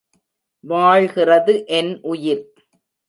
வாழ்கிறது என் உயிர்.